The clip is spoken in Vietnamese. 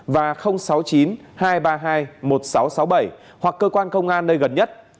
và sáu mươi chín hai trăm ba mươi hai một nghìn sáu trăm sáu mươi bảy hoặc cơ quan công an nơi gần nhất